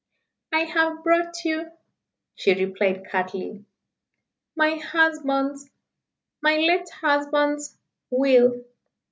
"I have brought you," she replied curtly, "my husband's my late husband's will."